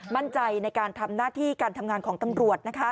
มั่นใจในการทำหน้าที่การทำงานของตำรวจ